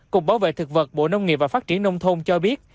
cục bảo vệ thực vật bộ nông nghiệp và phát triển nông thôn cho biết